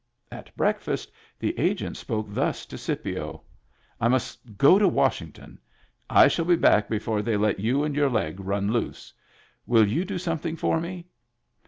At breakfast the Agent spoke thus to Scipio :—" I must go to Washington. I shall be back before they let you and your leg run loose. Will you do something for me